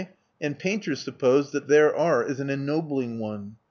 And painters suppose that their art is an ennobling one.